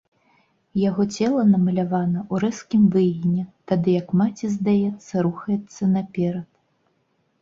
Яго цела намалявана ў рэзкім выгіне, тады як маці, здаецца, рухаецца наперад.